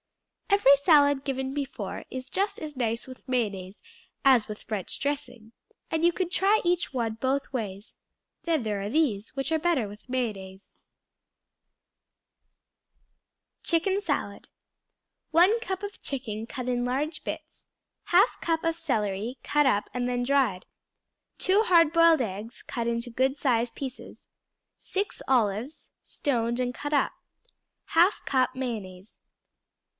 Every salad given before is just as nice with mayonnaise as with French dressing, and you can try each one both ways; then there are these, which are better with mayonnaise. Chicken Salad 1 cup of chicken cut in large bits. 1/2 cup of celery, cut up and then dried. 2 hard boiled eggs, cut into good sized pieces. 6 olives, stoned and cut up. 1/2 cup mayonnaise.